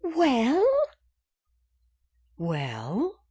"Well?" "Well?"